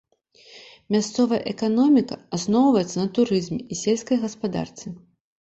Мясцовая эканоміка асноўваецца на турызме і сельскай гаспадарцы.